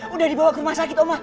udah dibawa ke rumah sakit oma